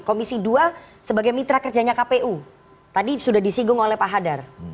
komisi dua sebagai mitra kerjanya kpu tadi sudah disinggung oleh pak hadar